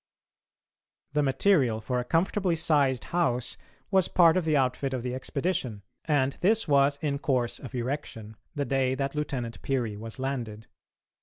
The material for a comfortably sized house was part of the outfit of the expedition, and this was in course of erection the day that Lieutenant Peary was landed.